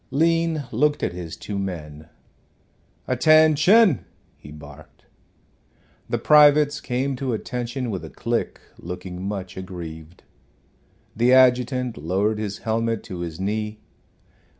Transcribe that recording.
Lean looked at his two men. "Attention," he barked. The privates came to attention with a click, looking much aggrieved. The adjutant lowered his helmet to his knee.